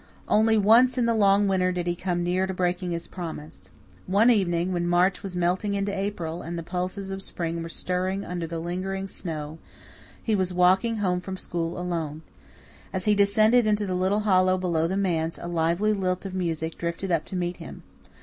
Only once in the long winter did he come near to breaking his promise. One evening, when March was melting into April, and the pulses of spring were stirring under the lingering snow, he was walking home from school alone. As he descended into the little hollow below the manse a lively lilt of music drifted up to meet him.